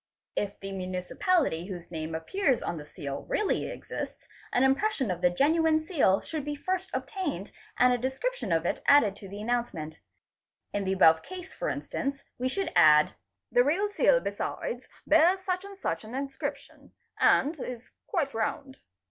If the muni ! cipality whose name appears on the seal really exists, an impression of the genuine seal should first be obtained and a description of it added to the SS, Bite Sih ial San oe he) 6S Lee he i, wur anouncement. In the above case for instance we should add :—''The real seal besides bears such and such an inscription, and is quite round."